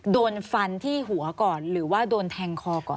โดนฟันที่หัวก่อนหรือว่าโดนแทงคอก่อน